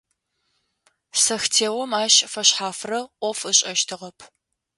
Сэхтеом ащ фэшъхьафрэ ӏоф ышӏэщтыгъэп.